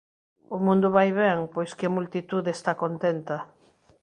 o mundo vai ben, pois que a multitude está contenta.